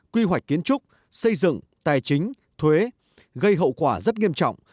quy hoạch kiến trúc xây dựng tài chính thuế gây hậu quả rất nghiêm trọng